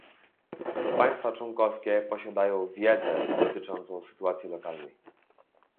To państwa członkowskie posiadają wiedzę dotyczącą sytuacji lokalnej